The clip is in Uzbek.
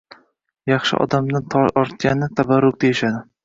Yaxshi odamdan ortgani – tabarruk, deyishadi